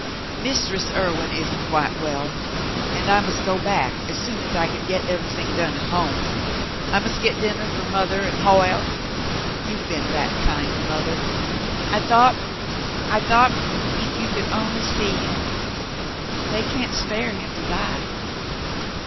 "Mistress Irwin isn't quite well, and I must go back as soon as I can get everything done at home. I must get dinner for mother and Hoyle. You have been that kind to mother — I thought — I thought — if you could only see him — they can't spare him to die."